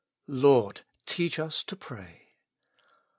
''' "Lord, teach us to pray."